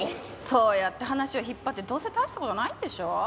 そうやって話を引っ張ってどうせ大した事ないんでしょ？